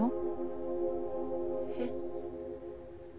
えっ？